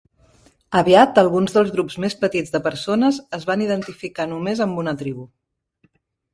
Aviat alguns dels grups més petits de persones es van identificar només amb una tribu.